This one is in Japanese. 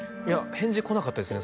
返事来なかったですね